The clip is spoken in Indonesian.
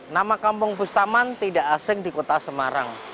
nama kampung bustaman tidak asing di kota semarang